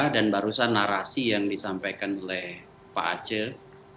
dan barusan narasi yang disampaikan oleh pak aceh